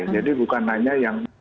jadi bukan hanya yang